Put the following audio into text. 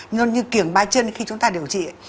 như kiểng ba chân khi chúng ta điều trị